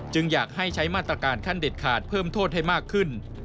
อยากให้ใช้มาตรการขั้นเด็ดขาดเพิ่มโทษให้มากขึ้น